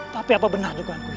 tapi apa benar dugaanku ini